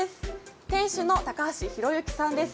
店主の高橋寛之さんです。